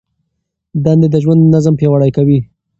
دندې د ژوند نظم پیاوړی کوي.